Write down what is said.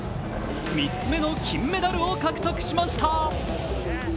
３つ目の金メダルを獲得しました。